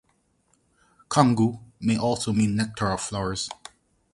Kongu may also mean nectar of flowers.